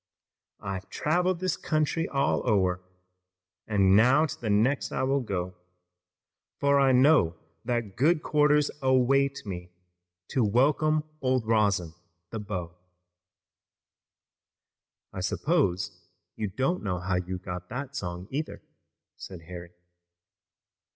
"I've traveled this country all o'er, And now to the next I will go, For I know that good quarters await me To welcome old Rosin, the beau." "I suppose you don't know how you got that song, either," said Harry.